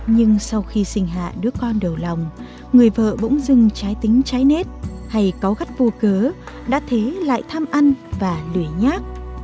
nhưng sau khi sinh hạ đứa con đầu lòng người vợ bỗng dưng trái tính trái nết hay có gắt vô cớ đã thế lại thăm ăn và lưỡi nhác